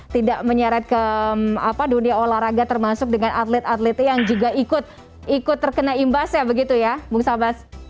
tidak menyeret ke dunia olahraga termasuk dengan atlet atlet yang juga ikut terkena imbasnya begitu ya bung sabas